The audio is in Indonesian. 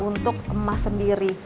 untuk emas sendiri